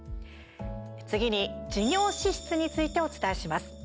次に、事業支出についてお伝えします。